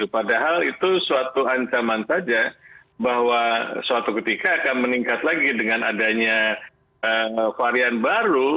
padahal itu suatu ancaman saja bahwa suatu ketika akan meningkat lagi dengan adanya varian baru